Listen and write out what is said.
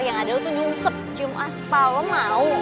yang ada lo tuh nyumsep cium aspa lo mau